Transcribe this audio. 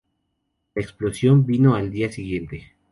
La explosión vino al día siguiente.